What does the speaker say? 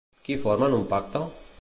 Qui formen un pacte?